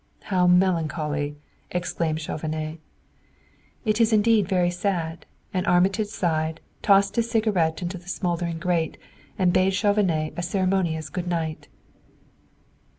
"How melancholy!" exclaimed Chauvenet. "It is indeed very sad!" and Armitage sighed, tossed his cigarette into the smoldering grate and bade Chauvenet a ceremonious good night.